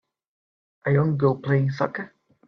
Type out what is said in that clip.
A young girl playing soccer.